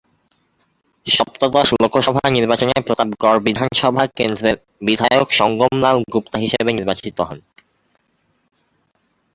সপ্তদশ লোকসভা নির্বাচনে প্রতাপগড় বিধানসভা কেন্দ্রের বিধায়ক সঙ্গম লাল গুপ্তা হিসেবে নির্বাচিত হন।